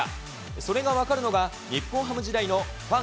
それが分かるのが、日本ハム時代のファン